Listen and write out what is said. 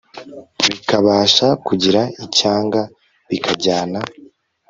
bikabasha kugira icyanga bikajyana